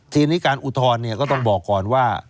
ทีนี้การอุทธรณ์เนี่ยก็ต้องบอกก่อนว่า